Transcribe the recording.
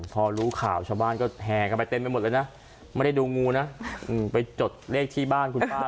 พอรู้ข่าวชาวบ้านก็แห่กันไปเต็มไปหมดเลยนะไม่ได้ดูงูนะไปจดเลขที่บ้านคุณป้า